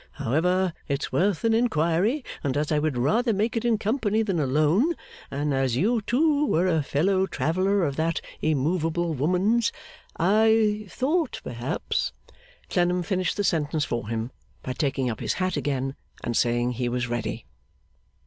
However, it's worth an inquiry; and as I would rather make it in company than alone, and as you too were a fellow traveller of that immovable woman's, I thought perhaps ' Clennam finished the sentence for him by taking up his hat again, and saying he was ready.